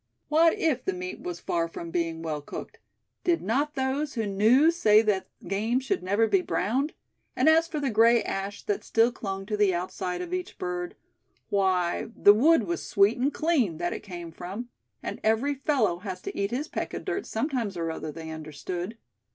What if the meat was far from being well cooked, did not those who knew say that game should never be browned; and as for the gray ash that still clung to the outside of each bird, why, the wood was sweet and clean that it came from; and every fellow has to eat his peck of dirt sometime or other, they understood.